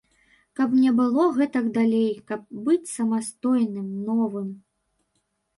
Каб не было гэтак далей, каб быць самастойным, новым.